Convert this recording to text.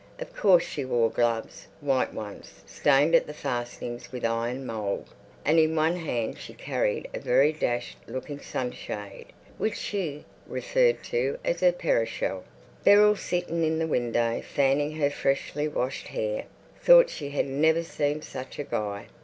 Of course she wore gloves, white ones, stained at the fastenings with iron mould, and in one hand she carried a very dashed looking sunshade which she referred to as her "perishall." Beryl, sitting in the window, fanning her freshly washed hair, thought she had never seen such a guy.